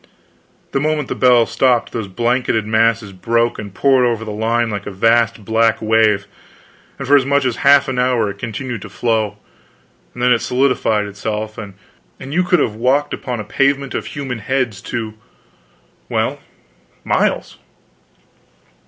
The moment the bells stopped, those banked masses broke and poured over the line like a vast black wave, and for as much as a half hour it continued to flow, and then it solidified itself, and you could have walked upon a pavement of human heads to well, miles.